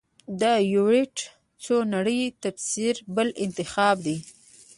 د ایورېټ څو نړۍ تفسیر بل انتخاب دی.